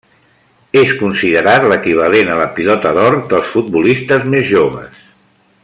És considerat l'equivalent a la Pilota d'Or dels futbolistes més joves.